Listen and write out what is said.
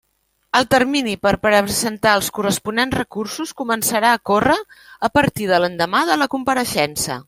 El termini per a presentar els corresponents recursos començarà a córrer a partir de l'endemà de la compareixença.